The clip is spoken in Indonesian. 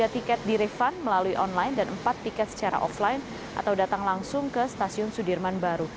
lima puluh tiga tiket direfund melalui online dan empat tiket secara offline atau datang langsung ke stasiun sudirman baru